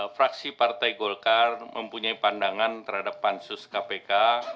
fraksi partai golkar mempunyai pandangan terhadap pansus kpk